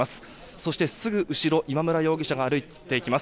そしてすぐ後ろ今村容疑者が歩いていきます。